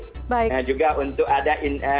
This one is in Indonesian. nah juga untuk ada